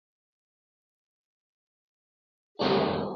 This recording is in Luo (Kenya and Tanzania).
Donge en ring’o